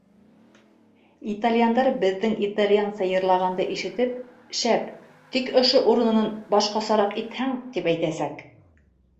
Итальяндар беҙҙең итальянса йырлағанды ишетеп, шәп, тик ошо урынын башҡасараҡ итһәң, тип әйтәсәк.